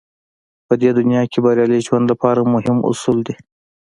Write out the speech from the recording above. په دې دنيا کې بريالي ژوند لپاره مهم اصول دی.